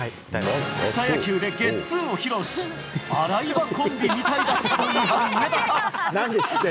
草野球でゲッツーを披露し、アライバコンビみたいだったという上田か。